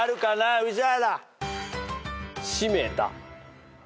宇治原。